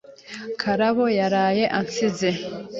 Karabo yaraye ansinze.